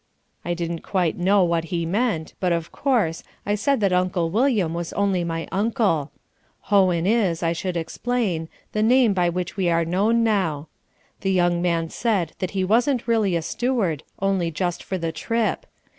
I didn't know what he meant, but, of course, I said that Uncle William was only my uncle. Hohen is, I should explain, the name by which we are known now. The young man said that he wasn't really a steward, only just for the trip.